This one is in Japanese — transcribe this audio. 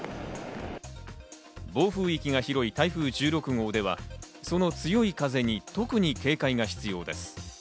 暴風域が広い台風１６号では、その強い風に、特に警戒が必要です。